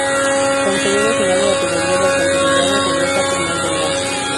Cuando se llega al final de la tubería de alcantarillado, regresa por más venganza.